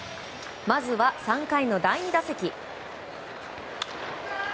まずは３回の第２打席。